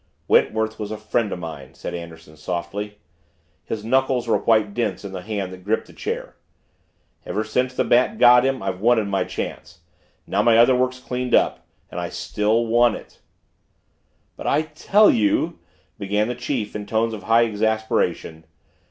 "Wentworth was a friend of mine," said Anderson softly. His knuckles were white dints in the hand that gripped the chair. "Ever since the Bat got him I've wanted my chance. Now my other work's cleaned up and I still want it." "But I tell you " began the chief in tones of high exasperation.